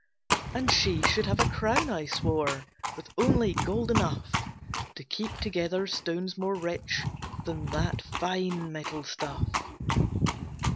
And she should have a crown, I swore, With only gold enough To keep together stones more rich Than that fine metal stuff.